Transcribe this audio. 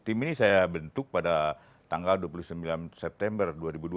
tim ini saya bentuk pada tanggal dua puluh sembilan september dua ribu dua puluh